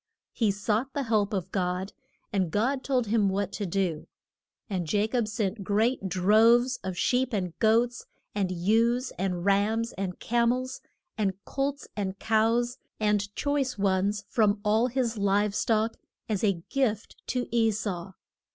He sought the help of God, and God told him what to do. And Ja cob sent great droves of sheep and goats, and ewes and rams, and ca mels and colts, and cows, and choice ones from all his live stock, as a gift to E sau.